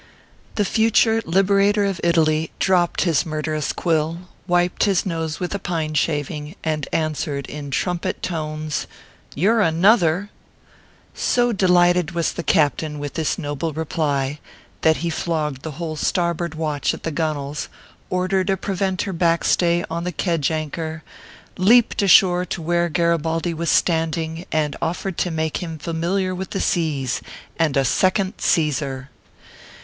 The future liberator of Italy dropped his murder ous quill, wiped his nose with a pine shaving, and answered, in trumpet tones :" You re another !" So delighted was the captain with this noble reply, that he flogged the whole starboard watch at the gun wales, ordered a preventer backstay on the kedge an chor, leaped ashore to where Garibaldi was standing, and offered to make him familiar with the seas, and a second Caesar.